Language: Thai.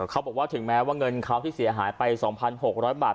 เขาบอกว่าถึงแม้ว่าเงินเขาที่เสียหายไป๒๖๐๐บาท